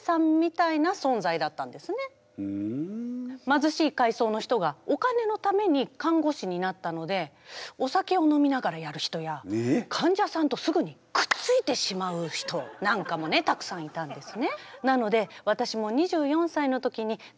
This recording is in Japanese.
まずしい階層の人がお金のために看護師になったのでお酒を飲みながらやる人や患者さんとすぐにくっついてしまう人なんかもねたくさんいたんですね。